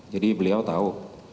jadi beliau tahu